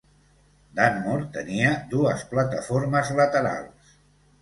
Dunmore tenia dues plataformes laterals.